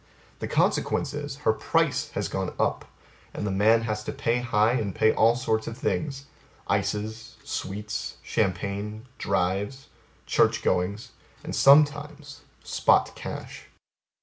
The consequence is, her price has gone up, and man has to pay high and pay all sorts of things ices, sweets, champagne, drives, church goings, and sometimes spot cash.